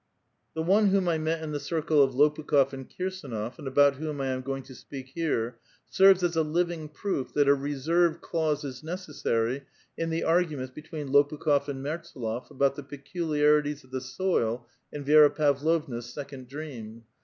The one whom I met in the circle of Lopukh6f and Kir sdnof, and about whom I am going to speak here, serves as a living proof that a reserve clause is necessary in the argu ments between Lopukh6f and Mertsdlof about the peculiari ties of the soil in Vi^ra Pavlovna's second dream.